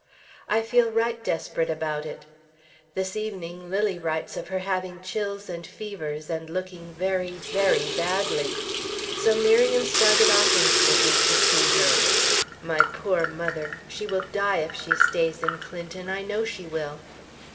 I feel right desperate about it. This evening Lilly writes of her having chills and fevers, and looking very, very badly. So Miriam started off instantly to see her. My poor mother! She will die if she stays in Clinton, I know she will!